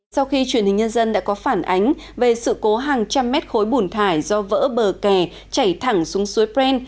sau khi truyền hình nhân dân đã có phản ánh về sự cố hàng trăm mét khối bùn thải do vỡ bờ kè chảy thẳng xuống suối pren